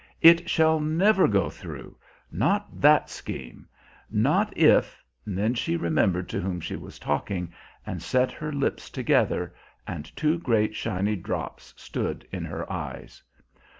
"It shall never go through, not that scheme not if" Then she remembered to whom she was talking, and set her lips together, and two great shiny drops stood in her eyes.